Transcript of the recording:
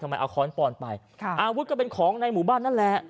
มาเอาค้อนปอนไปค่ะอาวุธก็เป็นของในหมู่บ้านนั่นแหละ